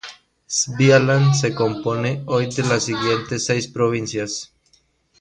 Svealand se compone hoy de las siguientes seis provincias.